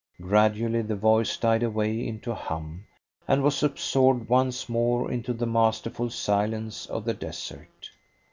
Gradually the voice died away into a hum, and was absorbed once more into the masterful silence of the desert.